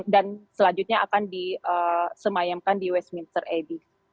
dan selanjutnya akan disemayamkan di westminster abbey